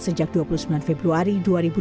sejak dua puluh sembilan februari dua ribu dua puluh